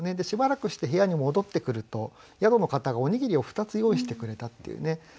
しばらくして部屋に戻ってくると宿の方がおにぎりを二つ用意してくれたっていうね。